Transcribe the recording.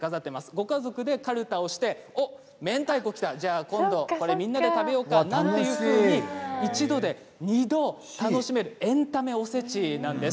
ご家族でかるたをしてめんたいこがきたそれでは食べようかというように一度で２度楽しめるエンタメおせちなんです。